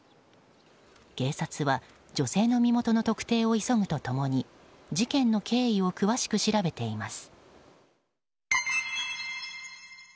警察は、女性の身元の特定を急ぐと共に事件の経緯を詳しく調べています。